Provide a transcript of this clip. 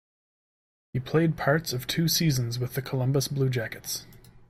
He played parts of two seasons with the Columbus Blue Jackets.